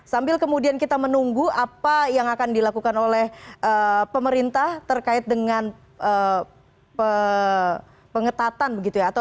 sambil kemudian kita menunggu apa yang akan dilakukan oleh pemerintah terkait dengan pengetatan begitu ya